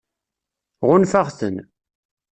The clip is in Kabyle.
Ɣunfaɣ-ten.